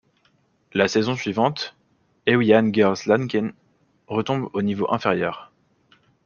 La saison suivante, Hewian Girls Lanaken retombe au niveau inférieur.